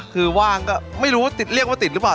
คือว่างก็ไม่รู้ว่าติดเรียกว่าติดหรือเปล่า